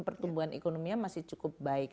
pertumbuhan ekonominya masih cukup baik